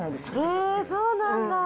えー、そうなんだ。